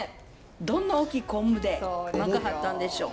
どんな大きい昆布で巻かはったんでしょう。